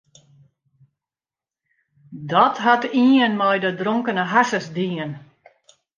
Dat hat ien mei de dronkene harsens dien.